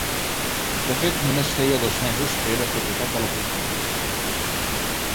De fet, només feia dos mesos que era propietat de la companyia.